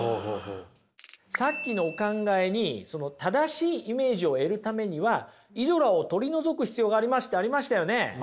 さっきのお考えにその「正しいイメージを得るためにはイドラを取り除く必要があります」ってありましたよね。